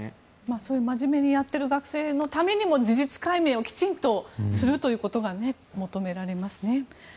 そういうまじめにやっている学生のためにも事実解明をきちんとするということが求められますね。